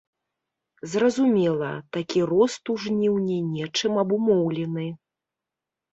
Зразумела, такі рост у жніўні нечым абумоўлены.